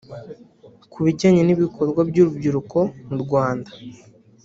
Ku bijyanye n’ibikorwa by’urubyiruko mu Rwanda